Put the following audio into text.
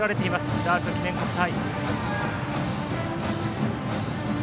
クラーク記念国際。